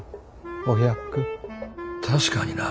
確かにな。